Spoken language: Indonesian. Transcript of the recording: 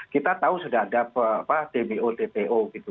kita tahu sudah ada dmo dpo gitu